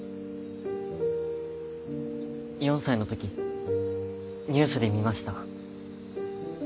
４歳のときにニュースで見ました。